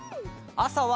あさは？